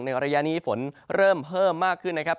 ระยะนี้ฝนเริ่มเพิ่มมากขึ้นนะครับ